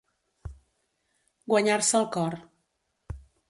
Guanyar-se el cor.